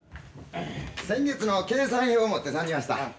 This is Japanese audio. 先月の計算表を持って参じました。